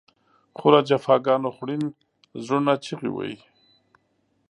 خو له جفاګانو خوړین زړونه چغې وهي.